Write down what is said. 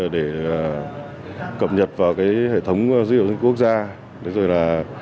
để cập nhật vào hệ thống dữ liệu dân quốc gia